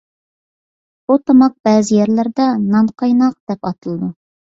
بۇ تاماق بەزى يەرلەردە «نانقايناق» دەپ ئاتىلىدۇ.